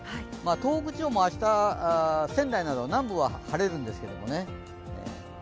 東北地方も明日、仙台など南部は晴れるんですけどね。